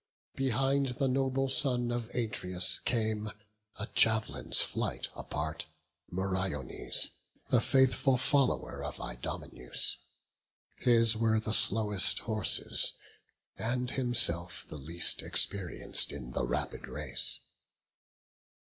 Behind the noble son of Atreus came, A jav'lin's flight apart, Meriones, The faithful follower of Idomeneus: His were the slowest horses, and himself The least experienc'd in the rapid race.